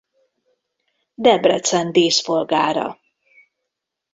Debrecen díszpolgára.